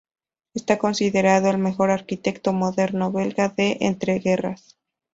Está considerado el mejor arquitecto moderno belga de entreguerras.